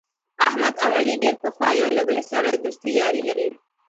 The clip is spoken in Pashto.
احمد او علي ډېر پخوا یو له بل سره دوستي یاري لري.